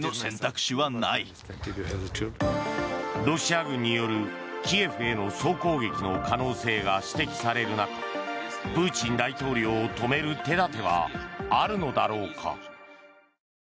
ロシア軍によるキエフへの総攻撃の可能性が指摘される中プーチン大統領を止める手立てはあるのだろうか。